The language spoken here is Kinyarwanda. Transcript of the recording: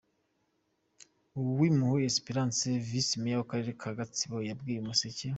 Uwimpuhwe Esperance, Vice Mayor w’Akarere ka Gatsibo yabwiye Umuseke.